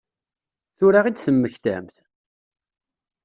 Tura i d-temmektamt?